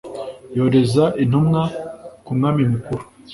yohereza intumwa ku mwami mukuru.